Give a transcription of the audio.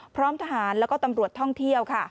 พร้อมทหารและตำรวจท่องเที่ยว